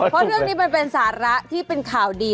เพราะเรื่องนี้มันเป็นสาระที่เป็นข่าวดี